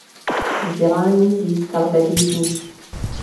Vzdělání získal ve Vídni.